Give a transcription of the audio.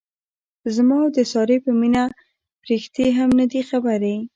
زما او د سارې په مینه پریښتې هم نه دي خبرې.